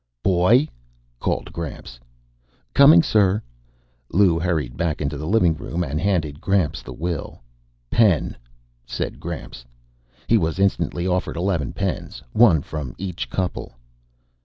"Boy!" called Gramps. "Coming, sir." Lou hurried back into the living room and handed Gramps the will. "Pen!" said Gramps. He was instantly offered eleven pens, one from each couple.